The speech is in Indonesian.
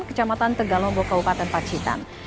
kecamatan tegalombok kabupaten pacitan